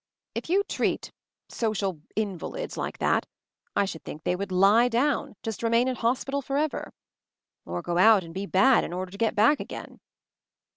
"If you treat — social invalids — like that, I should think they would 'lie down;' just to remain in hospital forever. Or go out and be bad in order to get back again."